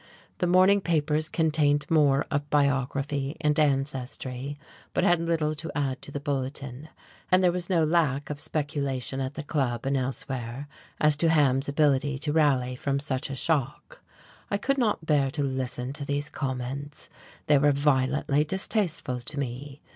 The morning papers contained more of biography and ancestry, but had little to add to the bulletin; and there was no lack of speculation at the Club and elsewhere as to Ham's ability to rally from such a shock. I could not bear to listen to these comments: they were violently distasteful to me.